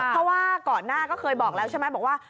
เพราะว่าก่อนหน้าก็เคยบอกแล้วว่า